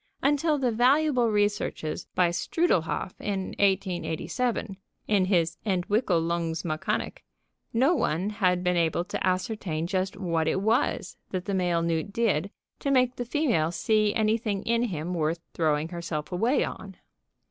Until the valuable researches by Strudlehoff in 1887 (in his "Entwickelungsmechanik") no one had been able to ascertain just what it was that the male newt did to make the female see anything in him worth throwing herself away on.